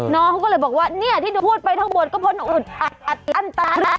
น้องเขาก็เลยบอกว่าเนี่ยที่ดูพูดไปทั้งบทก็พ้นอันตรา